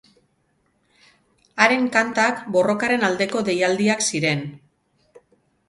Haren kantak borrokaren aldeko deialdiak ziren.